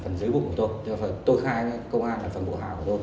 thì tôi đối với tôi đọc tôi cũng húi xuống và tôi chỉ nói là sao anh ấy đánh tôi